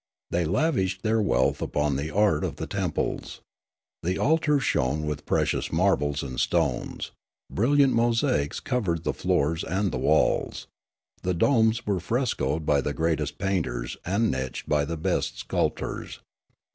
They lavished their wealth upon the art of the temples. The altars shone with precious marbles and stones ; brilliant mosaics covered the floors and the walls ; the domes were frescoed by the greatest painters and niched by the best sculptors.